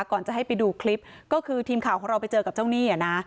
ก่อนจะให้ไปดูคลิปก็คือทีมข่าวของเราไปเจอกับเจ้าหนี้อ่ะนะ